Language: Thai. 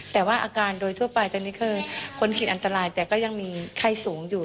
แต่ว่าอาการโดยทั่วไปตอนนี้คือคนขีดอันตรายแต่ก็ยังมีไข้สูงอยู่